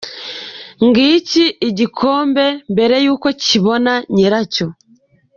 Ngiki igikombe mbere y'uko kibona nyiracyo.